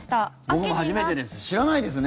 僕も初めてです。